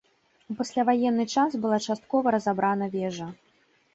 У пасляваенны час была часткова разабрана вежа.